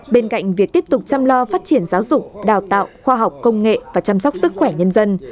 bên cạnh việc tiếp tục chăm lo phát triển giáo dục đào tạo khoa học công nghệ và chăm sóc sức khỏe nhân dân